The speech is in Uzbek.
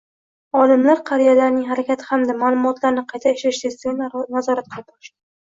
Olimlar qariyalarning harakati hamda maʼlumotlarni qayta ishlash tezligini nazorat qilib borishdi.